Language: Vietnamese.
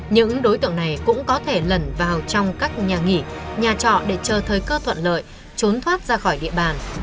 những đối tượng này cũng có thể lẩn vào trong các nhà nghỉ nhà trọ để chờ thời cơ thuận lợi trốn thoát ra khỏi địa bàn